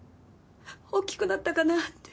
大きくなったかなって。